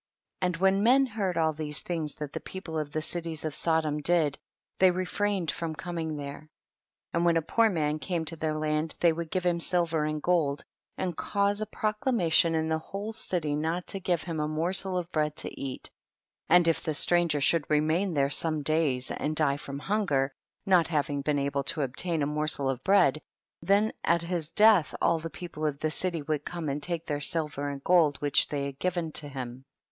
7. And when men heard all these things that the people of the chies of Sodom did, they refrained from com ing there. 8. And when a poor man came to their land they would give him silver and gold, and cause a proclamation in the whole city not to give him a morsel of bread to eat, and if the stranger should remain there some days, and die from hunger, not hav ing been able to obtain a morsel of bread, then at his death all the peo ple of the city would come and take their silver and gold which they had given to him.